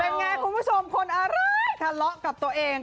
เป็นไงคุณผู้ชมคนอะไรทะเลาะกับตัวเอง